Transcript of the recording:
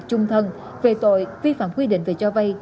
trung thân về tội vi phạm quy định về cho vay